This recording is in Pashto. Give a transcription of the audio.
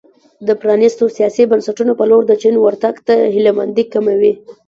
د پرانیستو سیاسي بنسټونو په لور د چین ورتګ ته هیله مندي کموي.